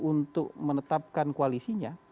untuk menetapkan koalisinya